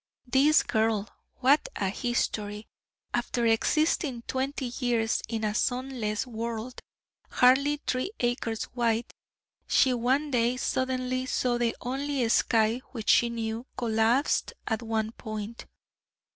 This girl! what a history! After existing twenty years in a sunless world hardly three acres wide, she one day suddenly saw the only sky which she knew collapse at one point!